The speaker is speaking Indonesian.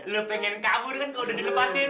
lo pengen kabur kan kalau udah di lepasin